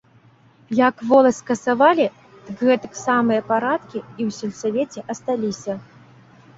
Як воласць скасавалі, дык гэтыя самыя парадкі і ў сельсавеце асталіся.